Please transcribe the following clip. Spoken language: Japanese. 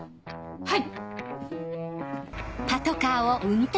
はい！